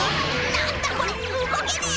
なんだこれうごけねえ。